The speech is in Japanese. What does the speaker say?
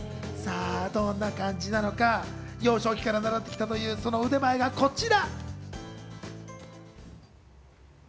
どんな感じなのか、幼少期から習ってきたという、その腕前がこちら。